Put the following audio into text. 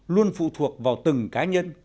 luôn phụ thuộc vào từng cá nhân